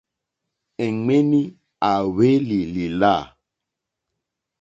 Èɱwèní à hwélì lìlâ.